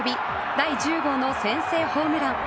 第１０号の先制ホームラン。